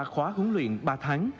khóa huấn luyện ba tháng